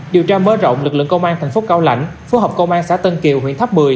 điều tra mớ rộng lực lượng công an tp cao lãnh phố hợp công an xã tân kiều huyện tháp một mươi